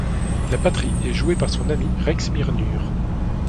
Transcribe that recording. La batterie est jouée par son ami Rex Myrnur.